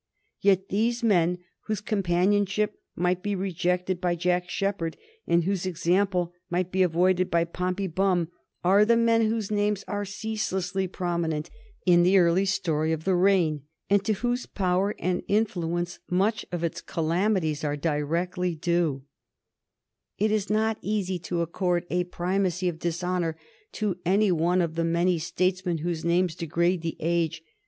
Yet these men, whose companionship might be rejected by Jack Sheppard, and whose example might be avoided by Pompey Bum, are the men whose names are ceaselessly prominent in the early story of the reign, and to whose power and influence much of its calamities are directly due. [Sidenote: 1763 The Duke of Grafton] It is not easy to accord a primacy of dishonor to any one of the many statesmen whose names degrade the age.